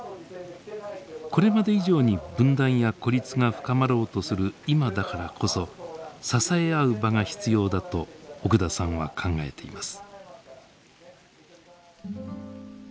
これまで以上に分断や孤立が深まろうとする今だからこそ支え合う場が必要だと奥田さんは考えています。